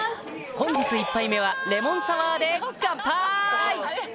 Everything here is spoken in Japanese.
本日１杯目はレモンサワーで乾杯！